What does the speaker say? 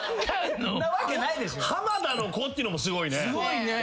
「浜田の子」っていうのもすごいね。